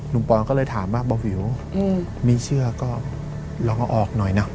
ปอนก็เลยถามว่าเบาวิวมีเชื่อก็ลองเอาออกหน่อยนะ